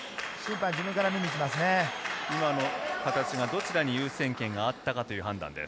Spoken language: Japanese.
今の形がどちらに優先権があったかという判断です。